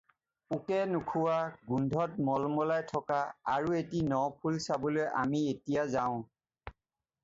পোকে নোখোৱা, গোন্ধত মলমলাই থকা আৰু এটি ন ফুল চাবলৈ আমি এতিয়া যাওঁ।